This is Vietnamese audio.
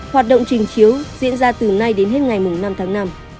hoạt động trình chiếu diễn ra từ nay đến hết ngày năm tháng năm